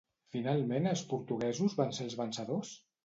Finalment els portuguesos van ser els vencedors?